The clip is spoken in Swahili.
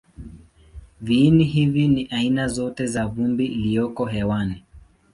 Viini hivi ni aina zote za vumbi iliyoko hewani.